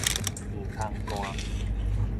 耳空彈